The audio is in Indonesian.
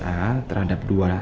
gak mikir apa apa kan